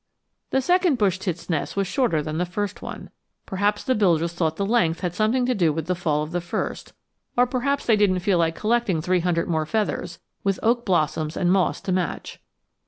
The second bush tit's nest was shorter than the first one. Perhaps the builders thought the length had something to do with the fall of the first; or perhaps they didn't feel like collecting three hundred more feathers, with oak blossoms and moss to match.